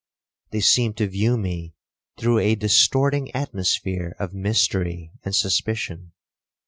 They seemed to view me through a distorting atmosphere of mystery and suspicion.